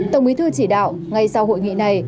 tổng bí thư chỉ đạo ngay sau hội nghị này